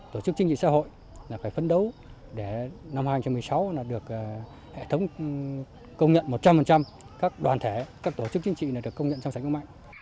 tổ chức chính trị xã hội là phải phấn đấu để năm hai nghìn một mươi sáu được hệ thống công nhận một trăm linh các đoàn thể các tổ chức chính trị được công nhận trong sạch vững mạnh